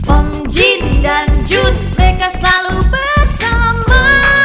om jin dan jun mereka selalu bersama